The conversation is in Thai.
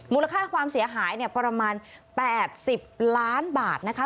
มูลค่าความเสียหายเนี่ยประมาณแปดสิบล้านบาทนะคะ